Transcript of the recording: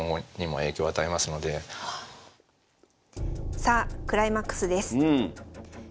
さあクライマックスです。